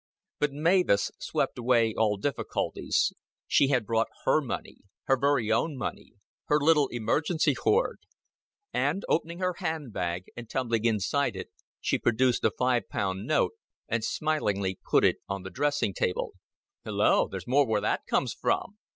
But Mavis swept away all difficulties. She had brought money her very own money her little emergency hoard; and opening her handbag, and tumbling inside it, she produced a five pound note, and smilingly put it on the dressing table. "Hulloa! There's more where that comes from."